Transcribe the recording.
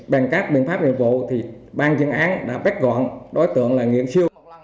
bàn các biện pháp liên vụ thì bàn truyền án đã bắt gọn đối tượng là nguyễn siêu